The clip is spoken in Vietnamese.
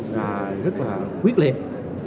rất là quyết liệt